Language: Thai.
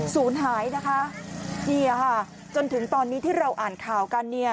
ศูนย์หายนะคะจนถึงตอนนี้ที่เราอ่านค่าวกัน